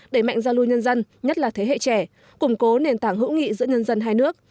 đẩy mạnh giao lưu nhân dân nhất là thế hệ trẻ củng cố nền tảng hữu nghị giữa nhân dân hai nước